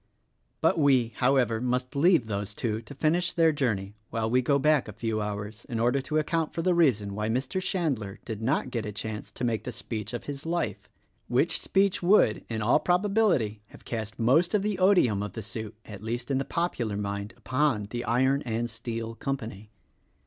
But we, however, must leave those two to finish their journey while we go back a few hours in order to account for the reason why Mr. Chandler did not get a chance to make the speech of his life, which speech would, in all probability, have cast most of the odium of the suit, at least in the popular mind, upon the Iron and Steel Com pany.